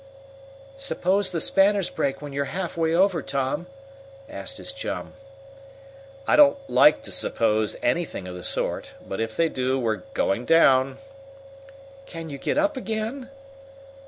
"Suppose the spanners break when you're halfway over, Tom?" asked his chum. "I don't like to suppose anything of the sort. But if they do, we're going down!" "Can you get up again?"